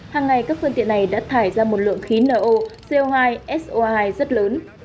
hàng ngày các phương tiện này đã thải ra một lượng khí no co hai so hai rất lớn